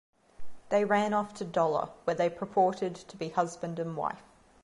They ran off to Dollar where they purported to be husband and wife.